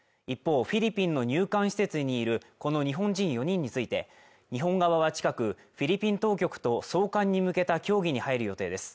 一方フィリピンの入管施設にいるこの日本人４人について日本側は近くフィリピン当局と送還に向けた協議に入る予定です